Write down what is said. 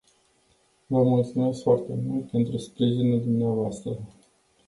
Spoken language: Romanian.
Vă mulțumesc foarte mult pentru sprijinul dvs.